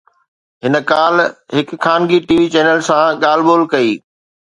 هن ڪالهه هڪ خانگي ٽي وي چينل سان ڳالهه ٻولهه ڪئي